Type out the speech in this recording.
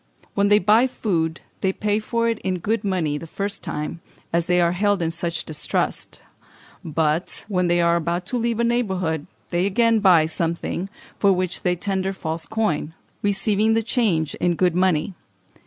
When they buy food they pay for it in good money the first time, as they are held in such distrust; but, when they are about to leave a neighbourhood, they again buy something, for which they tender false coin, receiving the change in good money.